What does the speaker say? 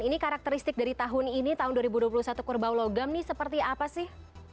ini karakteristik dari tahun ini tahun dua ribu dua puluh satu kerbau logam nih seperti apa sih